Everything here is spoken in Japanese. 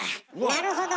なるほど。